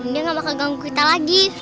dia nggak bakal ganggu kita lagi